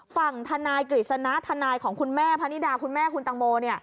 ฝั่งทนายกฤษณะทนายของคุณแม่พนิดาคุณแม่คุณตังโม